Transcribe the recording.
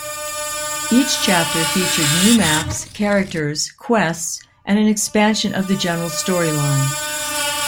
Each chapter featured new maps, characters, quests, and an expansion of the general storyline.